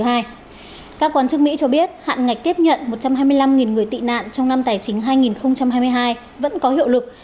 các quan chức mỹ cho biết hạn ngạch tiếp nhận một trăm hai mươi năm người tị nạn trong năm tài chính hai nghìn hai mươi hai vẫn có hiệu lực